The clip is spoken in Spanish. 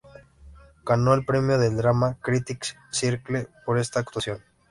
Ganó el premio del Drama Critics Circle por esta actuación.